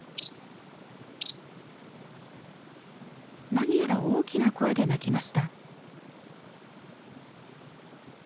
何やら大きな声で鳴きました。